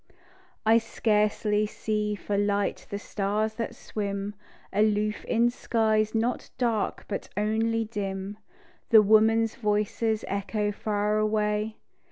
I scarcely see for light the stars that swim Aloof in skies not dark but only dim. The women's voices echo far away.